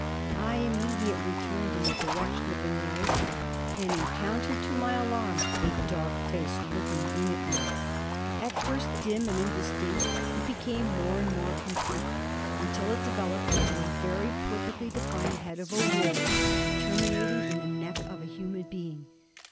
I immediately turned in the direction of the noise and encountered, to my alarm, a dark face looking in at me. At first dim and indistinct, it became more and more complete, until it developed into a very perfectly defined head of a wolf terminating in the neck of a human being.